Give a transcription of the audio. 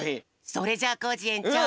それじゃあコージえんちょう